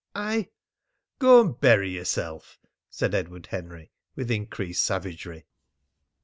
"I " "Go and bury yourself!" said Edward Henry, with increased savagery.